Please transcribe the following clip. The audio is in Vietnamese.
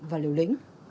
và lưu lĩnh